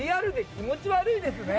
気持ち悪いですか？